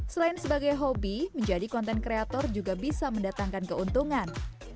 selain sebagai hobi menjadi konten kreator juga bisa mendatangkan keuntungan